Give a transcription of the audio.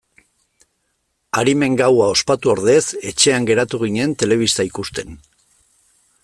Arimen gaua ospatu ordez etxean geratu ginen telebista ikusten.